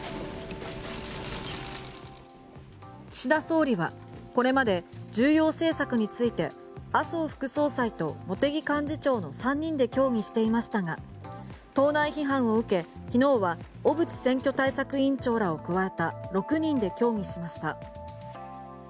岸田総理はこれまで重要政策について麻生副総裁と茂木幹事長の３人で協議していましたが党内批判を受け昨日は小渕選挙対策委員長らを加えた６人で協議しました。